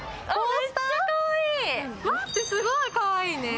すごいかわいいね。